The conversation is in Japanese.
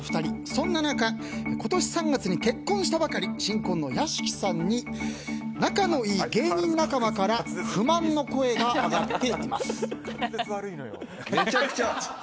そんな中今年３月に結婚したばかり新婚の屋敷さんに仲のいい芸人仲間から不満の声が上がっています。